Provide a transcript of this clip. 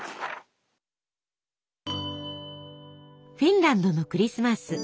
フィンランドのクリスマス。